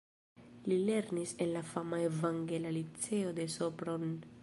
Li lernis en la fama Evangela Liceo de Sopron.